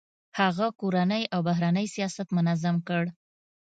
هغه کورنی او بهرنی سیاست منظم کړ.